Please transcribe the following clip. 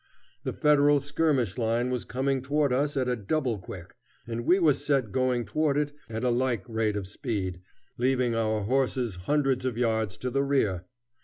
The Federal skirmish line was coming toward us at a double quick, and we were set going toward it at a like rate of speed, leaving our horses hundreds of yards to the rear.